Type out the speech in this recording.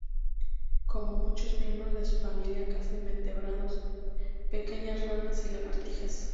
Como muchos miembros de su familia caza invertebrados, pequeñas ranas y lagartijas.